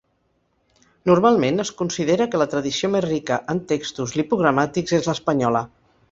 Normalment es considera que la tradició més rica en textos lipogramàtics és l'espanyola.